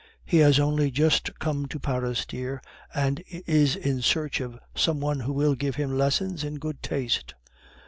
"He has only just come to Paris, dear, and is in search of some one who will give him lessons in good taste."